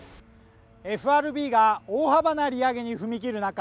ＦＲＢが大幅な利上げに踏み切る中